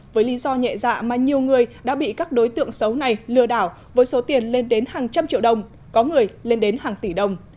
với lý do nhẹ dạ mà nhiều người đã bị các đối tượng xấu này lừa đảo với số tiền lên đến hàng trăm triệu đồng có người lên đến hàng tỷ đồng